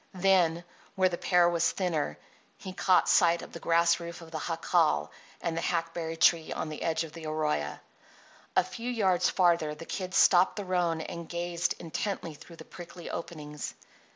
Then, where the pear was thinner, he caught sight of the grass roof of the jacal and the hackberry tree on the edge of the arroyo. A few yards farther the Kid stopped the roan and gazed intently through the prickly openings.